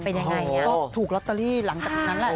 ก็ถูกล็อตเตอรี่หลังจากนั้นแหละ